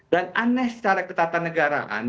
dan aneh secara ketatan negara